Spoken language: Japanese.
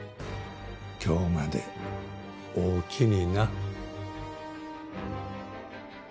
今日までおおきにな。